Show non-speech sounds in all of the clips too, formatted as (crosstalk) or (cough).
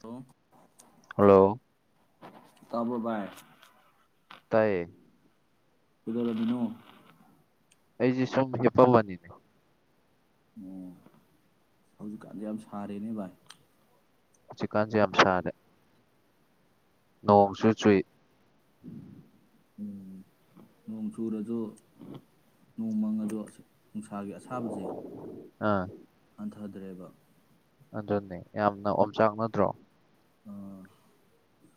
hello hello ꯇꯕ ꯕꯥꯏ ꯇꯥꯏ ꯑꯗꯨꯗꯣꯂ ꯑꯗꯨꯅꯣ ꯑꯩꯁꯤꯦ ꯁꯨꯝ ꯍꯦꯄꯝꯕꯅꯤꯅꯦ ꯑꯣ ꯍꯧꯖꯤꯛꯀꯥꯟꯗꯤ ꯌꯥꯝ ꯁꯥꯔꯤꯦꯅꯦ ꯚꯥꯏ ꯎꯆ ꯆꯤ ꯀꯥꯥꯟꯖꯤꯤ ꯑꯝꯁꯗꯦ ꯅꯣꯡꯝꯁꯨ ꯆꯨꯏ ꯎꯝ ꯅꯣꯡ ꯆꯨꯔꯁꯨ ꯅꯣꯡꯃꯪꯉꯁꯨ ꯅꯨꯡꯁꯥꯒꯤ ꯑꯁꯥꯕꯁꯦ ꯑꯥ ꯆꯠꯊꯗ꯭ꯔꯦꯕ ꯑꯗꯨꯅꯦ ꯌꯥꯝꯅ ꯑꯣꯝꯆꯥꯛ ꯅꯠꯇ꯭ꯔꯣ ꯑ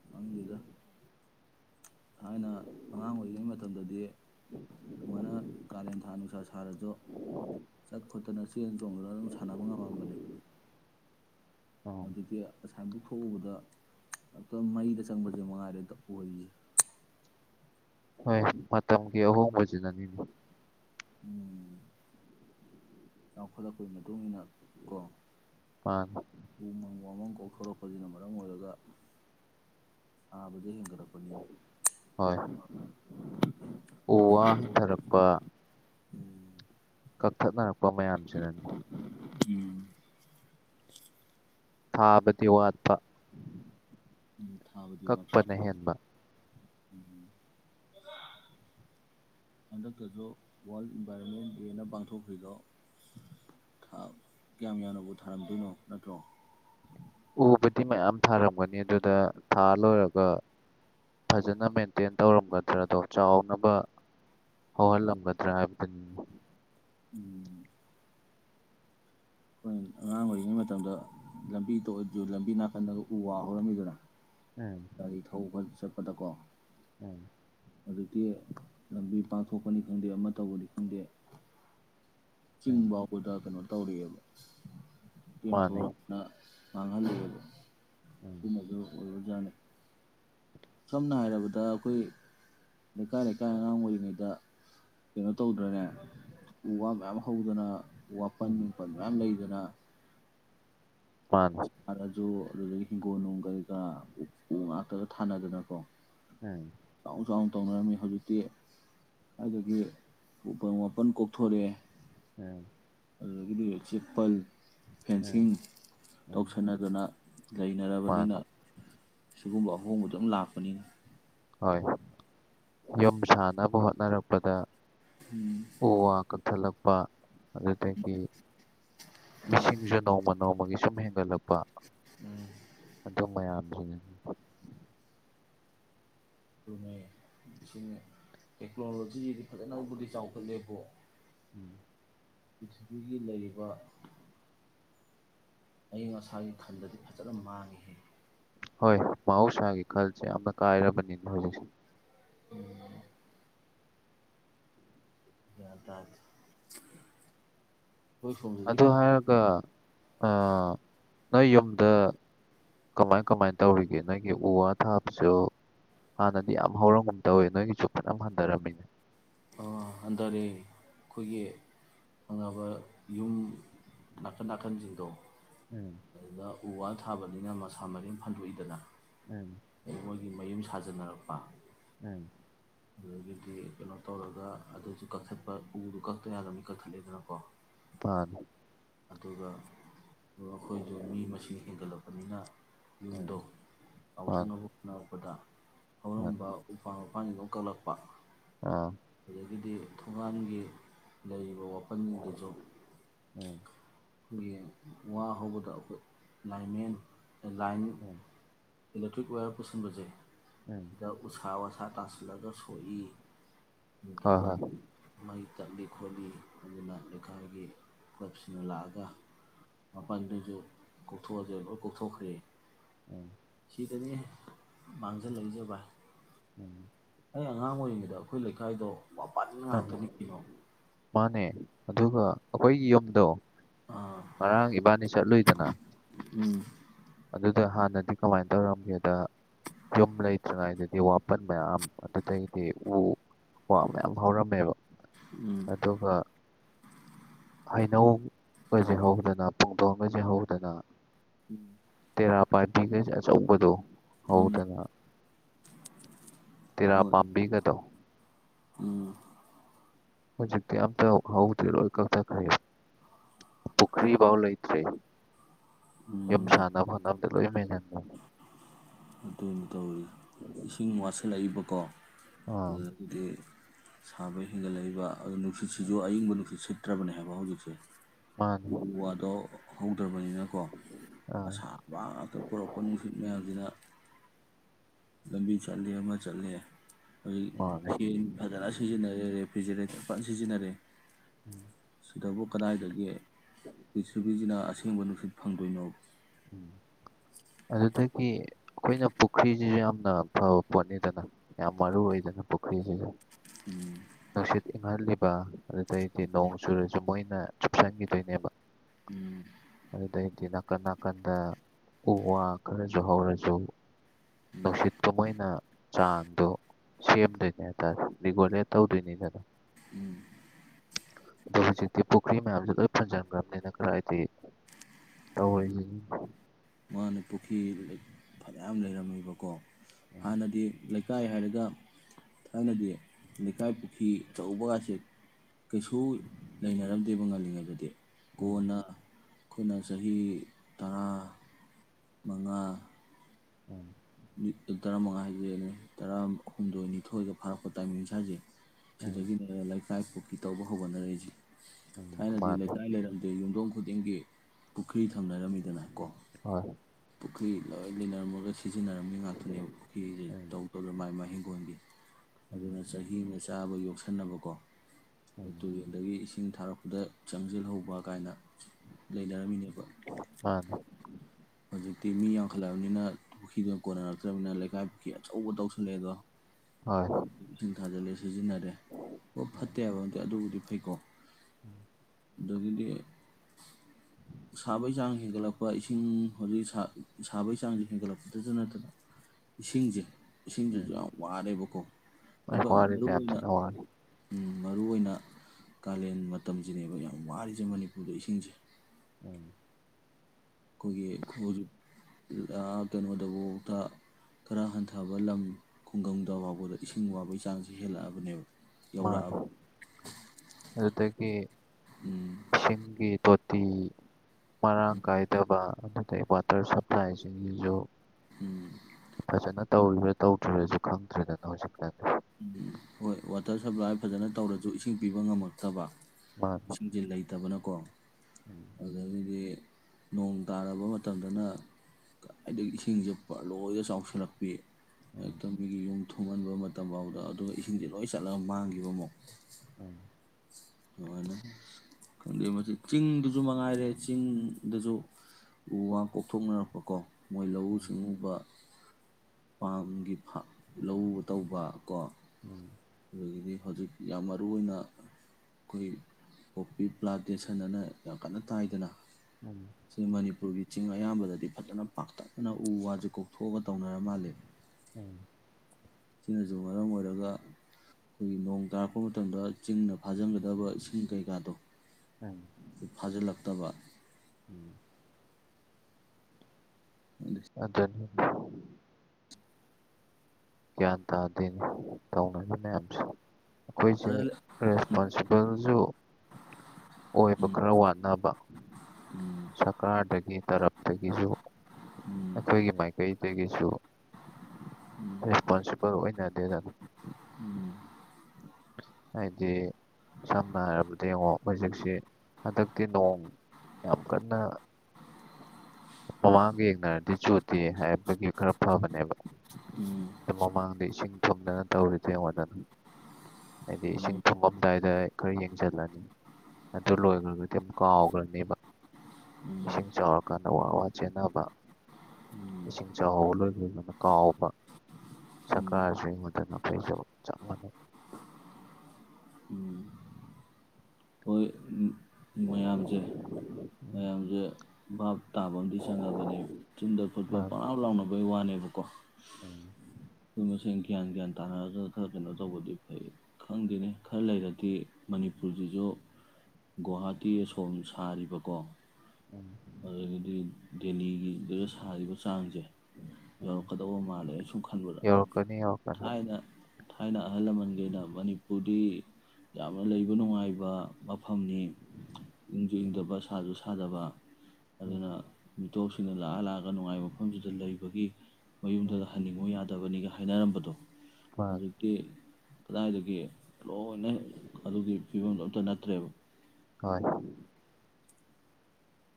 ꯈꯪꯗꯦꯗ ꯊꯥꯏꯅ ꯑꯉꯥꯡ ꯑꯣꯏꯔꯤꯉꯩ ꯃꯇꯝꯗꯗꯤ ꯃꯥꯅ ꯀꯥꯂꯦꯟ ꯊꯥ ꯅꯨꯡꯁꯥ ꯁꯥꯔꯁꯨ ꯆꯠ ꯈꯣꯠꯇꯅ ꯇꯦꯜ ꯇꯣꯡꯉꯒ ꯑꯗꯨꯝ ꯁꯥꯟꯅꯕ ꯉꯝꯃꯒꯅꯦ ꯎꯝ ꯑꯗꯨ ꯑꯗꯨꯗꯤ ꯉꯁꯥꯏꯕꯨꯛ ꯊꯣꯛꯎꯕꯗ ꯑꯝꯛꯇ ꯃꯔꯤꯗ ꯆꯪꯕꯁꯦ ꯃꯉꯥꯏꯔꯦ ꯑꯣꯏꯔꯤꯌꯦꯦ ꯍꯣꯏ ꯃꯇꯝꯒꯤ ꯑꯍꯣꯡꯕꯁꯤꯅ ꯅꯤ ꯎꯝ ꯆꯥꯎꯈꯠꯂꯛꯄꯒꯤ ꯃꯇꯨꯡ ꯏꯟꯅ ꯀꯣ ꯑꯥ ꯎ ꯋꯥꯃꯪ ꯀꯣꯛꯊꯣꯔꯛꯄꯁꯤꯅ ꯃꯔꯝ ꯑꯣꯏꯔꯒ ꯁꯥꯕꯗꯤ ꯍꯦꯟꯒꯠ ꯍꯣꯏ ꯎ ꯋꯥ ꯙꯔꯄ ꯎꯝ ꯀꯛꯊꯠꯅꯔꯛꯄ ꯃꯌꯥꯝꯁꯤꯅꯅꯤ ꯊꯥꯕꯗꯤ ꯋꯥꯠꯄ ꯃꯤ ꯊꯥꯕꯗꯤ ꯋꯥꯠꯄ ꯀꯛꯄꯅ ꯍꯦꯟꯕ ꯎꯝ ꯍꯟꯗꯛꯇꯁꯨ ꯋꯥꯔꯜ ꯏꯟꯚꯥꯏꯔꯣꯟꯃꯦꯟ ꯗꯦꯅ ꯄꯥꯡꯊꯣꯛꯈ꯭ꯔꯤꯗꯣ ꯀꯌꯥꯝ ꯌꯥꯝꯅꯕꯨ ꯊꯥꯔꯝꯗꯣꯏꯅꯣ ꯅꯠꯇ꯭ꯔꯣ ꯎꯕꯗꯤ ꯃꯌꯥꯝ ꯊꯥꯔꯝꯒꯅꯤ ꯑꯗꯨꯗ ꯊꯥ ꯂꯣꯏꯔꯒ ꯐꯖꯅ ꯃꯦꯟꯇꯦꯟ ꯇꯧꯔꯝꯒꯗ꯭ꯔꯥ ꯑꯗꯣ ꯆꯥꯎꯅꯕ ꯍꯧꯍꯜꯂꯝꯒꯗ꯭ꯔꯥ ꯍꯥꯏꯕꯗꯨꯅꯤ ꯎꯝ ꯑꯩꯈꯣꯏ ꯑꯉꯥꯡ ꯑꯣꯏꯔꯤꯉꯩ ꯃꯇꯝꯗ ꯂꯝꯕꯤꯗ ꯂꯝꯕꯤ ꯅꯥꯀꯟꯗꯒ ꯎ ꯋꯥ ꯍꯧꯔꯝꯃꯤꯗꯅ ꯎꯝ ꯒꯥꯔꯤ ꯊꯧꯕꯒ ꯆꯠ ꯄꯗꯀꯣ ꯎꯝ ꯍꯧꯖꯤꯛꯇꯤ ꯂꯝꯕꯤ ꯄꯥꯡꯊꯣꯛꯄꯅꯤ ꯈꯪꯗꯦ ꯑꯃ ꯇꯧꯕꯅꯤ ꯈꯪꯗꯦ ꯆꯤꯡ ꯎꯝ ꯐꯥꯎꯕꯗ ꯀꯩꯅꯣ ꯇꯧꯔꯤꯑꯕ ꯇꯝ ꯃꯥꯅꯤ ꯊꯛꯅ ꯃꯥꯡꯜ ꯂꯩ ꯎꯝ ꯊ ꯃꯖ ꯑꯣꯏ ꯌꯥꯅꯤ ꯁꯝꯅ ꯍꯥꯏꯔꯕꯗ ꯑꯩꯈꯣꯏ ꯂꯩꯀꯥꯏ ꯂꯩꯀꯥꯏ ꯑꯉꯥꯡ ꯑꯣꯏꯔꯤꯉꯩꯗ ꯀꯩꯅꯣ ꯇꯧꯗ꯭ꯔꯅꯦ ꯎ ꯋꯥ ꯃꯌꯥꯝ ꯍꯧꯗꯅ ꯋꯥꯄꯟ ꯎꯝ ꯄꯜ ꯃꯌꯥꯝ ꯂꯩꯗꯅ ꯃꯥꯅꯤ ꯑꯔꯁꯨꯣ ꯑꯗꯨꯗꯒꯤ ꯍꯤꯡꯒꯣꯜ ꯅꯨꯡ ꯀꯩꯀꯥ ꯎ ꯎ ꯉꯥꯛꯇꯒ ꯊꯥꯅꯗꯅꯀꯣ ꯎꯝ ꯆꯥꯎ ꯆꯥꯎꯅ ꯇꯧꯅꯔꯝꯃꯤ ꯍꯧꯖꯤꯛꯇꯤ ꯑꯗꯨꯗꯒꯤ ꯎꯄꯜ ꯃꯥꯄꯟ ꯀꯣꯛꯊꯣꯔꯛꯑꯦ ꯎꯝ ꯑꯗꯨꯗꯒꯤꯗꯤ ꯆꯦꯄꯜ ꯎꯝ ꯐꯦꯟꯁꯤꯡ ꯎꯝ ꯇꯧꯁꯟꯅꯗꯨꯅ ꯃꯥꯅꯤ ꯂꯩꯅꯔꯕꯅꯤꯅ ꯁꯤꯒꯨꯝꯕ ꯑꯍꯣꯡꯕꯗꯣ ꯑꯗꯨꯝ ꯂꯥꯛꯄꯅꯤꯅ ꯍꯣꯏ ꯌꯨꯝ ꯁꯥꯟꯅꯕ ꯍꯣꯠꯅꯔꯛꯄꯗ ꯎꯝ ꯑꯣ ꯋꯥ ꯀ ꯊꯠꯂꯛꯄ ꯑꯗꯨꯗꯒꯤ ꯎꯝ ꯃꯤꯁꯤꯡꯖꯅꯣꯡꯃ ꯃꯒꯤꯁꯨꯨꯝ ꯃꯦꯒꯂ ꯄꯥ ꯎꯝ ꯑꯗꯨ ꯃꯌꯥꯝ ꯐ ꯑꯗꯨ ꯇꯦꯛꯦꯛꯅꯣꯂꯣꯖꯤ ꯐꯖꯅ ꯑꯗꯨꯕꯨꯗꯤ ꯆꯥꯎꯈꯠꯂꯦꯕꯣ ꯎꯝ ꯄꯊꯒꯤ ꯂꯩꯔꯤꯕ ꯑꯌꯪ ꯑꯁꯥꯒꯤ ꯈꯟꯗꯗꯤ ꯐꯖꯅ ꯃꯥꯡꯉꯤꯍꯦ ꯍꯣꯏ ꯃꯍꯧꯁꯥꯒꯤ ꯈꯜꯁꯦ ꯌꯥꯝꯅ ꯀꯥꯏꯔꯕꯅꯤꯅ ꯍꯧꯖꯤꯛꯁꯦ ꯎꯝ ꯌꯥ ꯑꯗꯨ ꯍꯥꯏꯔꯒ ꯅꯣꯏ ꯌꯨꯝꯗ ꯀꯃꯥꯏ ꯀꯃꯥꯏ ꯇꯧꯔꯤꯒꯦ ꯅꯣꯏꯒꯤ ꯎ ꯋꯥ ꯊꯥꯕꯁꯨ ꯍꯥꯟꯅꯗꯤ ꯌꯥꯝ ꯍꯧꯔꯝꯒꯨꯝ ꯇꯧꯋꯦ ꯅꯣꯏꯒꯤꯁꯨ ꯐꯅ ꯍꯟꯊꯔꯝꯃꯤꯅꯦ ꯍꯟꯊꯔ ꯑꯩꯈꯣꯏꯒꯤ ꯐꯪꯉꯅꯕ ꯌꯨꯝ ꯅꯥꯀꯟ ꯅꯥꯀꯟꯁꯤꯡꯗꯣ ꯎꯝ ꯑꯗꯨꯗ ꯎ ꯋꯥ ꯊꯥꯕꯅꯤꯅ ꯃꯁꯥ ꯃꯔꯔꯤꯨꯝ ꯐꯟꯗꯣꯛꯏꯗꯅ ꯎꯝ ꯑꯩꯒꯤ ꯃꯌꯨꯝ ꯁꯥꯖꯟꯅꯔꯛꯄ ꯎꯝ ꯑꯗꯨꯗꯒꯤꯗꯤ ꯀꯩꯅꯣ ꯇꯧꯔꯒ ꯑꯗꯨꯁꯨ ꯀꯛꯊꯠꯄ ꯎꯗꯨ ꯀꯛꯛꯇ ꯌꯥꯔꯅꯤ ꯀꯛꯊꯠꯂꯦꯗꯅꯀꯣ ꯐ ꯑꯗꯨꯒ ꯑ ꯑꯩꯈꯣꯏꯁꯨ ꯃꯤ ꯃꯁꯤꯡ ꯍꯦꯟꯒꯠꯂꯛꯄꯅꯤꯅ ꯎꯝ ꯌꯨꯝꯗꯣ ꯃꯥꯅꯤ ꯀꯥꯎꯊꯣꯛꯅꯕ ꯍꯣꯠꯅꯔꯛꯄꯗ ꯃꯥꯅꯤ ꯍꯧꯔꯝꯕ ꯎꯄꯥ ꯐꯣ ꯀꯂꯞꯄ ꯑꯥ ꯑꯗꯒꯤꯗꯤ ꯊꯣꯡꯒꯥꯟꯒꯤ ꯂꯩꯔꯤꯕ ꯋꯥꯐꯝ ꯄꯟꯒꯤꯗꯣ ꯎꯝ ꯒꯤ ꯋꯥ ꯍꯧꯕꯗ ꯑꯩꯈꯣꯏ ꯂꯥꯏꯃꯦꯟ ꯂꯥꯏꯟ ꯎꯝ ꯏꯂꯦꯛꯇ꯭ꯔꯤꯤ ꯋꯥꯏꯔ ꯄꯨꯁꯟꯕꯖꯦ ꯎꯝ ꯑꯗ ꯎꯁꯥ ꯋꯥꯁꯥ ꯊꯇꯥꯁ ꯆꯠꯂꯒ ꯁꯣꯛꯏ ꯍꯣꯏ ꯍꯣꯏ ꯇꯧꯢ ꯆꯠꯂꯤ ꯈꯣꯠꯂꯤ ꯑꯗꯨꯅ ꯂꯩꯀꯥꯏꯒꯤ ꯀ꯭ꯂꯕꯁꯤꯡꯅ ꯂꯥꯛꯑꯒ ꯃꯄꯥꯟꯗꯨꯁꯨ ꯀꯣꯛꯊꯣꯛꯑꯁꯦ ꯂꯣꯏ ꯀꯣꯛꯊꯣꯛꯈ꯭ꯔꯦ ꯎꯝ ꯁꯤꯗꯅꯤꯅꯦ ꯃꯥꯡꯖꯜꯂꯛꯢꯁꯦ ꯕꯥꯢ ꯎꯝ ꯑꯩ ꯑꯉꯥꯡ ꯑꯣꯏꯔꯤꯉꯩꯗ ꯑꯩꯈꯣꯏ ꯂꯩꯀꯥꯏꯗꯣ ꯋꯥꯄꯟ ꯎꯝ ꯉꯥꯛꯇꯅꯤ ꯀꯩꯅꯣ ꯃꯥꯅꯦ ꯑꯗꯨꯒ ꯑꯩꯈꯣꯏꯒꯤ ꯌꯨꯝꯗꯣ ꯑꯥ ꯉꯔꯥꯡ ꯏꯕꯥꯅꯤ ꯆꯠꯂꯨꯏꯗꯅ ꯎꯝ ꯑꯗꯨꯗ ꯍꯥꯟꯅꯗꯤ ꯀꯃꯥꯏꯅ ꯇꯧꯔꯝꯒꯦꯗ ꯌꯨꯝ ꯂꯩꯇ꯭ꯔꯤꯉꯩꯗꯗꯤ ꯋꯥꯄꯟ ꯃꯌꯥꯝ ꯑꯗꯨꯗꯒꯤꯗꯤ ꯎ ꯋꯥ ꯃꯌꯥꯝ ꯍꯧꯔꯝꯃꯦꯕ ꯎꯝ ꯑꯗꯨꯒ ꯍꯩꯅꯧꯒꯁꯦ ꯍꯧꯗꯅ ꯄꯣꯡꯗꯣꯟꯒꯁꯦ ꯍꯧꯗꯅ ꯇꯦꯔꯥ ꯄꯥꯏ ꯈꯩꯁꯦ ꯑꯆꯧꯕꯗꯣ ꯎꯝ ꯍꯧꯗꯅ ꯇꯦꯔꯥ ꯍꯣꯏ ꯄꯝꯕꯤꯒꯗꯣ ꯎꯝ ꯍꯧꯖꯤꯛꯇꯤ ꯑꯝꯇ ꯍꯧꯗꯔꯦ ꯂꯣꯢ ꯀꯛꯊꯠꯈ꯭ꯔꯦ ꯄꯨꯈ꯭ꯔꯤꯐꯧ ꯂꯩꯇ꯭ꯔꯦ ꯌꯨꯝ ꯎꯝ ꯁꯥꯅ ꯍꯣꯠꯅꯕꯗ (unintelligible) ꯑꯗꯨꯅꯦ ꯇꯧꯔꯤꯁꯦ ꯏꯁꯤꯡ ꯋꯥꯠꯁꯤꯜꯂꯛꯏꯕꯀꯣ ꯑꯥ ꯑꯗꯨꯗꯒꯤꯗꯤ ꯁꯥꯕ ꯍꯦꯟꯒꯠꯂꯛꯏꯕ ꯑꯗꯨ ꯅꯨꯡꯁꯤꯠꯁꯤꯁꯨ ꯑꯌꯤꯡꯕ ꯅꯨꯡꯁꯤꯠ ꯁꯤꯠ ꯁꯤꯠꯇ꯭ꯔꯕꯅꯦ ꯍꯥꯏꯕ ꯍꯧꯖꯤꯛꯁꯦ ꯃꯥꯅꯤ ꯎ ꯋꯥꯗꯣ ꯍꯧ ꯍꯧꯗ꯭ꯔꯕꯅꯤꯅꯀꯣ ꯑꯥ ꯑꯁꯥꯕ ꯉꯥꯛꯇ ꯄꯨꯣ꯭ꯔꯛꯄ ꯅꯨꯡꯁꯤꯠ ꯃꯌꯥꯝꯁꯤꯅ ꯂꯝꯕꯤ ꯆꯠꯂꯦ ꯑꯃ ꯆꯠꯂꯦ ꯍꯧꯖꯤꯛ ꯃꯥꯅꯦ ꯐꯦꯟ ꯐꯖꯅ ꯁꯤꯖꯤꯟꯅꯖꯔꯦ ꯐꯤꯖꯔꯦꯇꯔ ꯐꯅ ꯁꯤꯖꯤꯟꯅꯔꯦ ꯎꯝ ꯑꯗꯨꯕꯨ ꯀꯗꯥꯏꯗꯒꯤ (unintelligible) ꯑꯁꯦꯡꯕ ꯅꯨꯡꯁꯤꯠ ꯐꯪꯗꯣꯏꯅꯣꯕ ꯎꯝ ꯑꯗꯨꯗꯒꯤ ꯑꯩꯈꯣꯏꯅ ꯄꯨꯈ꯭ꯔꯤꯁꯤꯁꯨ ꯌꯥꯝꯅ ꯐꯕ ꯄꯣꯠꯅꯤꯗꯅ ꯌꯥꯝ ꯃꯔꯨ ꯑꯣꯏꯗꯅ ꯄꯨꯈ꯭ꯔꯤꯁꯤꯁꯨ ꯎꯝ ꯅꯨꯡꯁꯤꯠ ꯏꯪꯍꯜꯂꯤꯕ ꯑꯗꯨꯗꯩꯗꯤ ꯅꯣꯡ ꯆꯨꯔꯁꯨ ꯃꯣꯏꯅ ꯆꯨꯞꯁꯤꯟꯈꯤꯗꯣꯏꯅꯦꯕ ꯎꯝ ꯑꯗꯨꯗꯩꯗꯤ ꯅꯥꯀꯟ ꯅꯥꯀꯟꯗ ꯎ ꯋꯥ ꯈꯔꯁꯨ ꯍꯧꯔꯁꯨ ꯅꯨꯡꯁꯤꯠꯇꯣ ꯃꯣꯏꯅ ꯆꯥꯡꯗꯣ ꯁꯦꯝꯗꯣꯏꯅꯦ ꯍꯥꯏꯇꯥꯔꯦ ꯔꯤꯒꯣꯂꯦꯠ ꯇꯧꯗꯣꯏꯅꯤꯗꯅ ꯑꯗꯣ ꯍꯧꯖꯤꯛꯇꯤ ꯄꯨꯈ꯭ꯔꯤ ꯃꯌꯥꯝꯁ ꯂꯣꯏ ꯐꯟꯖꯟꯈ꯭ꯔꯕꯅꯤꯅ ꯈꯔ ꯍꯥꯏꯗꯤ ꯇꯧꯔꯤꯖꯤꯅꯤ ꯃꯥꯅ ꯄꯨꯈ꯭ꯔꯤ ꯐꯅꯌꯥꯝ ꯂꯩꯔꯝꯃꯦꯕꯀꯣ ꯎꯝ ꯍꯥꯟꯅꯗꯤ ꯂꯩꯀꯥꯏ ꯍꯥꯏꯔ ꯑꯗꯨꯗ ꯊꯥꯏꯅꯗꯤ ꯂꯩꯀꯥꯏ ꯄꯨꯈ꯭ꯔꯤ ꯑꯆꯧꯕꯒꯁꯦ ꯀꯩꯁꯨ ꯂꯩꯅꯔꯝꯗꯦꯕ ꯉꯜꯂꯤꯉꯩꯗꯗꯤ ꯎꯝ ꯀꯣꯟꯅ ꯑꯩꯈꯣꯏꯅ ꯆꯍꯤ ꯇꯔꯥ ꯃꯉꯥ ꯎꯝ ꯅꯨ ꯇꯔꯥꯃꯉꯥ ꯍꯥꯏꯖꯦ ꯇꯔꯥꯍꯨꯝꯗꯣꯏ ꯅꯤꯊꯣꯏꯒ ꯐꯥꯔꯛꯄ ꯇꯥꯏꯃꯤꯡ ꯏꯁꯥꯁꯦ ꯎꯝ ꯁꯤꯗꯒꯤ ꯅꯦ ꯂꯥꯏ ꯀꯥꯏ ꯄꯨꯛꯈꯤ ꯇꯧꯕ ꯍꯧꯒꯠꯅꯔꯛꯏꯁꯤ ꯎꯝ ꯊꯥꯏꯅꯗꯤ ꯃꯥꯅꯤ ꯂꯩꯀꯥꯏ ꯂꯩꯔꯝꯗꯦ ꯌꯨꯝꯊꯣꯡ ꯈꯨꯗꯤꯡꯒꯤ ꯄꯨꯈ꯭ꯔꯤ ꯊꯝꯅꯔꯝꯃꯤꯗꯅ ꯀꯣ ꯍꯣꯏ ꯄꯨꯈ꯭ꯔꯤ ꯂꯣꯏ ꯂꯤꯅꯔꯝꯃꯒ ꯁꯤꯖꯤꯟꯅꯔꯝꯃꯤ ꯉꯥꯛꯇꯅꯦꯕ ꯄꯨꯈ꯭ꯔꯤꯁꯦ ꯎꯝ ꯇꯧꯗꯧꯗ ꯃꯥꯏ ꯍꯤꯡ ꯀꯣꯟꯒꯤ ꯎꯝ ꯑꯗꯨꯅ ꯆꯍꯤ ꯑꯃ ꯆꯥꯕ ꯌꯣꯛꯁꯟ ꯈꯟꯅꯕꯀꯣ ꯎꯝ ꯇꯨꯔꯦꯟꯒꯤ ꯏꯁꯤꯡ ꯊꯥꯔꯛ ꯗ ꯆꯪꯖꯤꯜꯍꯧꯕ ꯀꯥꯏꯅ ꯂꯩꯅꯔꯝꯃꯤꯅꯦꯕ ꯑ ꯍꯧꯖꯤꯛꯇꯤ ꯃꯤ ꯌꯥꯝꯡꯈꯠꯂꯛꯑꯕꯅꯤꯅ ꯄꯨꯈ꯭ꯔꯤꯗꯣ ꯀꯣꯟꯅꯔꯛꯇ꯭ꯔꯕꯅꯤꯅ ꯂꯩꯀꯥꯏ ꯄꯨꯈ꯭ꯔꯤ ꯑꯆꯧꯕ ꯇꯧꯁꯜꯂꯛꯑꯦꯗꯣ ꯍꯣꯏ ꯏꯁꯤꯡ ꯊꯥꯖ ꯂꯦ ꯁꯤꯖꯤꯟꯅꯔꯦ ꯑꯣ ꯎꯝ ꯐꯠꯇꯦ ꯍꯥꯏꯕ ꯅꯠꯇꯦ ꯑꯗꯨꯕꯨꯗꯤ ꯐꯩꯀꯣ (inaudible) ꯑꯗꯒꯤꯗꯤ ꯁꯥꯕꯩ ꯆꯥꯡ ꯍꯦꯟꯒꯠꯂꯛꯄ ꯏꯁꯤꯡ ꯍꯧꯖꯤꯛ ꯁꯥꯕꯩ ꯆꯥꯡꯁꯦ ꯍꯦꯟꯒꯠꯂꯛꯄꯗꯁꯨ ꯅꯠꯇꯅ ꯏꯁꯤꯡꯁꯦ ꯏꯁꯤꯡꯁꯤꯁꯨ ꯎꯝ ꯌꯥꯝ ꯋꯥꯔꯦꯕ (unintelligible) ꯃꯔꯨ ꯑꯣꯏꯅ ꯀꯥꯂꯦꯟ ꯃꯇꯝꯁꯤꯅꯦꯕ ꯌꯥꯝ ꯋꯥꯔꯤꯁꯦ ꯃꯅꯤꯄꯨꯔꯒꯤ ꯏꯁꯤꯡꯁꯦ ꯎꯝ ꯑꯩꯈꯣꯏꯒꯤ ꯍꯧꯖꯤꯛ ꯑꯥ ꯀꯩꯅꯣꯗꯕꯥꯎꯗ ꯈꯔ ꯍꯟꯊꯕ ꯂꯝ ꯈꯨꯡꯒꯪꯗ ꯐꯕꯥꯎꯗ ꯏꯁꯤꯡ ꯋꯥꯕꯒꯤ ꯆꯥꯡꯁꯤ ꯍꯦꯜꯂꯛꯑꯕꯅꯦꯕ ꯃꯥ ꯃꯥꯟ ꯌꯧꯔꯛꯑꯕꯅꯤ ꯑꯗꯨꯗꯒꯤ ꯎꯝ ꯏꯁꯤꯡꯒꯤ ꯇꯣ ꯇꯤ ꯃꯔꯥꯡ ꯀꯥꯏꯗꯕ ꯑꯗꯩ ꯋꯥꯇꯔ ꯁꯄ꯭ꯂꯥꯏꯁꯤꯡꯁꯤꯁꯨ ꯎꯝ ꯐꯖꯅ ꯇꯧꯔꯤꯕ ꯇꯧꯗ꯭ꯔꯤꯔꯁꯨ ꯈꯪꯗ꯭ꯔꯦꯗꯅ ꯍꯧꯖꯤꯛꯅ ꯎꯝ ꯍꯣꯏ ꯋꯥꯇꯔ ꯁꯄ꯭ꯂꯥꯏ ꯐꯖꯅ ꯇꯧꯔꯁꯨ ꯏꯁꯤꯡ ꯄꯤꯕ ꯉꯝꯃꯛꯇꯕ ꯃꯥꯅꯤ ꯏꯁꯤꯡꯁꯦ ꯂꯩꯇꯕꯅ ꯑꯗꯒꯤꯗꯤ ꯅꯣꯡ ꯇꯥꯔꯕ ꯃꯇꯝꯗꯅ ꯀꯥꯏꯗꯒꯤ ꯏꯁꯤꯡꯁꯦ ꯄꯔꯜꯂꯣꯏꯗ ꯆꯥꯎꯁꯤꯜꯂꯛꯄꯤ ꯍꯦꯛꯇ ꯃꯤꯒꯤ ꯌꯨꯝ ꯊꯨꯃꯒꯟꯕ ꯃ ꯇꯐꯥꯎꯗ ꯑꯗꯨꯒ ꯏꯁꯤꯡꯁꯦ ꯂꯣꯏ ꯆꯠꯂꯒ ꯃꯥꯡꯒꯤꯕ ꯑꯃꯨꯛ ꯁꯨꯃꯥꯏꯅ ꯈꯪꯗꯦ ꯃꯁꯤ ꯆꯤꯡꯗꯨꯁꯨ ꯃꯉꯥꯏꯔꯦ ꯆꯤꯡꯗꯁꯨ ꯎ ꯋꯥ ꯀꯣꯛꯊꯣꯛꯅꯔꯛꯄ ꯀꯣ ꯃꯣꯏ ꯂꯧꯎ ꯁꯤꯡꯉꯨꯕ ꯄꯝꯒꯤ ꯐꯥ ꯂꯧ ꯇꯧꯕ ꯀꯣ ꯎꯝ ꯑꯗꯒꯤꯗꯤ ꯍꯧꯖꯤꯛ ꯌꯥꯝ ꯃꯔꯨ ꯑꯣꯏꯅ ꯑꯩꯈꯣꯏ ꯄꯣꯄꯤ ꯄ꯭ꯂꯥꯟꯇꯦꯁꯟ ꯑꯅ ꯌꯥꯝ ꯀꯟꯅ ꯇꯥꯏꯗꯅ ꯁꯤ ꯃꯅꯤꯄꯨꯔꯒꯤ ꯆꯤꯡ ꯑꯌꯥꯝꯕꯗꯗꯤ ꯐꯖꯅ ꯄꯥꯛꯇꯛꯅ ꯎ ꯋꯥꯁꯦ ꯀꯣꯛꯊꯣꯛꯑꯒ ꯇꯧꯅꯔ ꯃꯥꯂꯦ ꯁꯤꯅꯁꯨ ꯃꯔꯝ ꯑꯣꯏꯔꯒ ꯑꯩꯈꯣꯏꯒꯤ ꯅꯣꯡ ꯇꯥꯔꯛꯄ ꯃꯇꯝꯗ ꯆꯤꯡꯅ ꯐꯥꯖꯤꯟꯒꯗꯕ ꯏꯁꯤꯡ ꯀꯩꯀꯥꯗꯣ ꯐꯥꯖꯜꯂꯛ ꯇꯕꯥ ꯑꯗꯨꯅꯤ ꯒ꯭ꯌꯥꯟ ꯇꯥꯗꯦꯅꯦ ꯇꯧꯅꯔꯤ ꯃꯌꯥꯝꯁꯤ ꯑꯩꯈꯣꯏꯁꯦ ꯈꯔ ꯂꯩ ꯔꯦꯁꯄꯣꯟꯁꯤꯕꯜꯁꯨ ꯑꯣꯏꯕ ꯈꯔ ꯋꯥꯅꯕ ꯎꯝ ꯁꯔꯀꯥꯔꯗꯒꯤ ꯇꯔꯞꯇꯒꯤꯁꯨ ꯎꯝ ꯑꯩꯈꯣꯏꯒꯤ ꯃꯥꯏꯀꯩꯗꯒꯤꯁꯨ ꯔꯦꯁꯄꯣꯟꯁꯤꯕꯜ ꯑꯣꯏꯅ ꯗꯦꯗꯅ ꯍꯥꯏꯗꯤ ꯁꯝꯅ ꯍꯥꯏꯔꯕꯗ ꯌꯦꯡꯉꯣ ꯍꯧꯖꯤꯛꯁꯤ ꯍꯟꯗꯛꯇꯤ ꯅꯣꯡ ꯌꯥꯝ ꯀꯟꯅ ꯃꯃꯥꯡꯒ ꯌꯦꯡꯅꯔꯗꯤ ꯆꯨꯗꯦ ꯍꯥꯏꯕꯒꯤ ꯈꯔ ꯐꯕꯅꯦꯕ ꯃꯃꯥꯪꯁꯤꯡ ꯊꯨꯝꯗꯅ ꯇꯧꯔꯤꯗ ꯑꯩꯡꯉꯣꯟꯗꯅ ꯍꯥꯏꯗꯤ ꯎꯝ ꯎꯝ ꯏꯁꯤꯡ ꯊꯨꯝꯃꯝꯗꯥꯏꯗ ꯈꯔ ꯌꯦꯡꯁꯤꯜꯂꯅꯤ ꯑꯗꯨ ꯂꯣꯏꯈ꯭ꯔꯒꯗꯤ ꯑꯃꯨꯛ ꯀꯥꯎꯈ꯭ꯔꯅꯦꯕ ꯎꯝ ꯏꯁꯤꯡ ꯆꯥꯎꯔꯀꯥꯟꯗ ꯋꯥ ꯋꯥ ꯆꯦꯟꯅꯕ ꯎꯝ ꯏꯁꯤꯡ ꯆꯥꯎꯕ ꯂꯣꯏ ꯂꯣꯏꯕꯅ ꯀꯥꯎꯕ ꯎꯝ ꯁꯔꯀꯥꯔꯁꯨ ꯑꯩꯉꯣꯟꯗꯅ ꯐꯖꯕ ꯆꯞ ꯃꯥꯟꯅꯩ ꯎꯝ ꯍꯣꯏ ꯃꯌꯥꯝꯁꯦ ꯃꯌꯥꯝꯁꯦ ꯕꯥ ꯇꯥꯕ ꯑꯝ ꯆꯪꯉꯕꯅꯦ ꯆꯤꯟꯗ ꯈꯣꯠꯄ ꯄꯥꯎ ꯂꯥꯎꯅꯕꯒꯤ ꯋꯥꯅꯦꯕꯀꯣ ꯎꯝ ꯑꯩꯈꯣꯏ ꯃꯁꯦꯟꯒꯤ ꯒ꯭ꯌꯥꯟ ꯒ꯭ꯌꯥꯟ ꯇꯥꯅꯔꯒ ꯈꯔ ꯀꯩꯅꯣ ꯇꯧꯕꯗꯤ ꯐꯩ ꯈꯪꯗꯦꯅꯤ ꯈꯔ ꯂꯩꯔꯗꯤ ꯃꯅꯤꯄꯨꯔꯁꯤꯁꯨ ꯒꯨꯍꯥꯇꯤ ꯑꯁꯣꯝ ꯁꯥꯔꯤꯕꯀꯣ ꯎꯝ ꯑꯗꯨꯗꯒꯤꯗꯤ ꯗꯦꯂꯤꯒꯤꯗꯨꯒ ꯁꯥꯔꯤꯕ ꯆꯥꯡꯁꯦ ꯎꯝ ꯌꯧꯔꯛꯀꯗꯧꯕ ꯃꯥꯜꯂꯦ ꯑꯩ ꯁꯨꯝ ꯈꯟꯕꯗ ꯌꯧꯔꯛꯀꯅꯤ ꯌꯧꯔꯛꯀꯅꯤ ꯊꯥꯏꯅ ꯊꯥꯏꯅ ꯑꯍꯜ ꯂꯃꯟꯒꯤꯩꯅ ꯃꯅꯤꯄꯨꯔꯗꯤ ꯌꯥꯝꯅ ꯂꯩꯕ ꯅꯨꯡꯉꯥꯏꯕ ꯃꯐꯝꯅꯤ ꯏꯪꯁꯨ ꯏꯪꯗꯕ ꯁꯥꯁꯨ ꯊꯥꯗꯕ ꯑꯗꯨꯅ ꯎꯝ ꯏꯇꯣꯞꯁꯤꯡꯅ ꯂꯥꯛꯑ ꯂꯥꯛꯑꯒ ꯅꯨꯡꯉꯥꯏꯕ ꯃꯐꯝꯁꯤꯗ ꯂꯩꯕꯒꯤ ꯎꯝ ꯃꯌꯨꯝꯗꯨꯗ ꯍꯟꯅꯤꯡꯉꯨ ꯌꯥꯗꯕꯅꯤꯒ ꯍꯥꯏꯅꯔꯝꯕꯗꯣ ꯍꯧꯖꯤꯛꯀꯤ ꯀꯗꯥꯏꯗꯨꯗꯒꯤ ꯂꯣꯏꯅ ꯑꯗꯨꯒꯤ ꯐꯤꯕꯝꯗꯣ ꯑꯝꯇ ꯅꯠꯇ꯭ꯔꯦꯕ ꯍꯣꯏ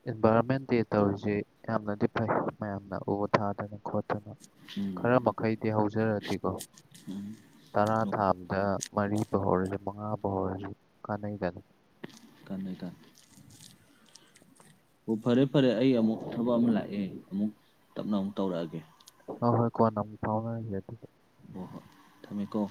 ꯏꯟꯚꯥꯏꯔꯣꯟꯃꯦꯟ ꯗꯦ ꯇꯧꯔꯤꯁꯤꯦ ꯌꯥꯝꯅꯗꯤ ꯐꯩ ꯃꯌꯥꯝꯅ ꯎ ꯊꯥꯗꯅ ꯈꯣ ꯈꯔ ꯎꯝ ꯃꯈꯩꯗꯤ ꯍꯧꯖꯔꯗꯤꯦꯀꯣ ꯇꯔꯥ ꯊꯥꯕꯗ ꯃꯔꯤꯕ ꯐ ꯍꯧꯔꯁꯨ ꯃꯉꯥꯕꯨ ꯍꯧꯔꯁꯨ ꯀꯥꯟꯅꯩꯒꯅ ꯀꯥꯟꯩꯀ ꯑꯣ ꯐꯔꯦ ꯐꯔꯦ ꯑꯩ ꯑꯃꯨꯛ ꯊꯕꯛ ꯑꯃ ꯂꯥꯛꯑꯦ ꯑꯃꯨꯛ ꯇꯞꯅ ꯑꯃꯨꯛ ꯇꯧꯔꯛꯑꯒꯦ ꯑ ꯍꯣꯏ ꯀꯣꯏ ꯅ ꯐꯥꯎ ꯍ ꯍꯣꯏ ꯊꯝꯃꯦꯀꯣ